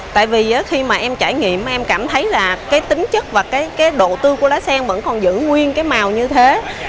tại vì khi mà em trải nghiệm em cảm thấy là cái tính chất và cái độ tươi của lá sen vẫn còn giữ nguyên cái màu như thế